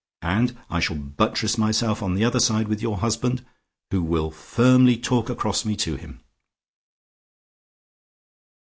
And I shall buttress myself on the other side with your husband, who will firmly talk across me to him."